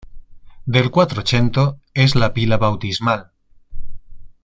Del Quattrocento es la pila bautismal.